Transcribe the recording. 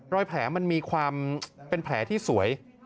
รอยแผลมันมีความเป็นแผลที่สวย